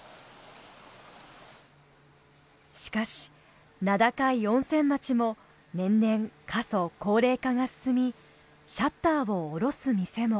しかし名高い温泉町も年々過疎・高齢化が進みシャッターを下ろす店も。